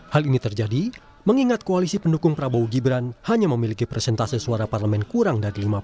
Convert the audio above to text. hal ini terjadi mengingat koalisi pendukung prabowo gibran hanya memiliki presentase suara parlemen kurang dari lima puluh